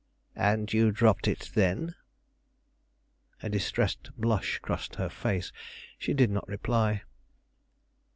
"And you dropped it then?" A distressed blush crossed her face; she did not reply.